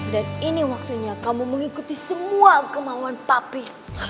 dan ini waktunya kamu mengikuti semua kemauan papi